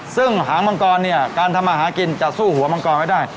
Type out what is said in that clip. ซึ่งหางมังกรเนี่ยการทำอาหารกินจะสู้หัวมังกรไม่ได้